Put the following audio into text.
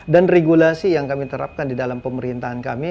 dan regulasi yang kami terapkan di dalam pemerintahan kami